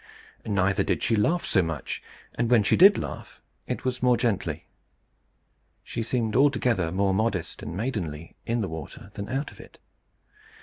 Neither did she laugh so much; and when she did laugh, it was more gently. She seemed altogether more modest and maidenly in the water than out of it.